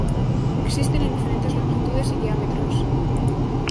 Existen en diferentes longitudes y diámetros.